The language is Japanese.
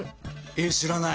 えっ知らない。